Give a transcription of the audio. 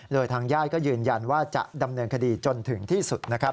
โดยทางญาติก็ยืนยันว่าจะดำเนินคดีจนถึงที่สุดนะครับ